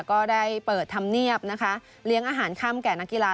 ก็ได้เปิดธรรมเนียบนะคะเลี้ยงอาหารค่ำแก่นักกีฬา